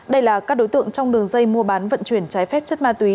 đây là các đối tượng trong đường dây mua bán vận chuyển trái phép chất ma túy